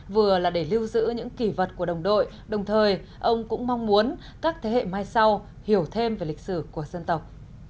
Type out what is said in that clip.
vừa là để lưu giữ những kỷ vật của đồng đội đồng thời ông cũng mong muốn các thế hệ mai sau hiểu thêm về lịch sử của dân tộc